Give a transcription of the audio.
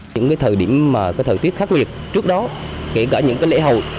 những thời tiết khác biệt trước đó kể cả những lễ hậu